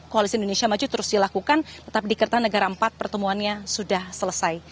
koalisi indonesia maju terus dilakukan tetap di ketua negara iv pertemuannya sudah selesai